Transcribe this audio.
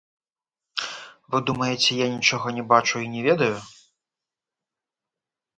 Вы думаеце, я нічога не бачу і не ведаю.